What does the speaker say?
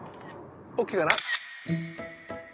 ＯＫかな？